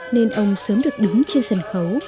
nên ông sớm được đứng trên sân khấu